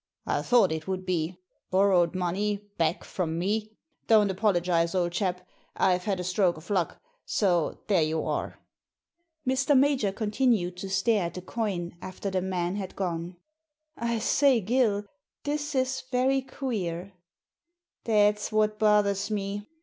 I thought it would be — ^borrowed money back from me ! Don't apologise, old chap ! I've had a stroke of luck — so there you are!" Mr. Major continued to stare at the coin after the man had gone. I say, Gill, this is very queer." •* That's what bothers me.